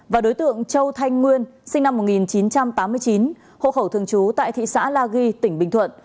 và đối tượng châu thanh nguyên sinh năm một nghìn chín trăm tám mươi chín hộ khẩu thường trú tại thị xã la ghi tỉnh bình thuận